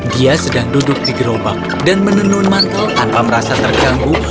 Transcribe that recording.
dia sedang duduk di gerobak dan menenun mantel tanpa merasa terganggu